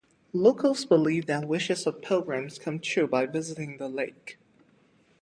Locals believe that wishes of pilgrims come true by visiting the lake.